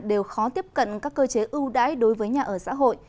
đều khó tiếp cận các cơ chế ưu đãi đối với nhà ở xã hội